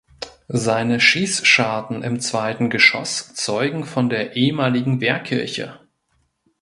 Seine Schießscharten im zweiten Geschoss zeugen von der ehemaligen Wehrkirche.